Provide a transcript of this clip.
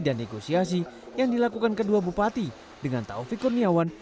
dan negosiasi yang dilakukan kedua bupati dengan taufik kurniawan